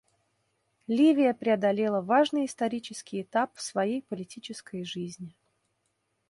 Ливия преодолела важный исторический этап в своей политической жизни.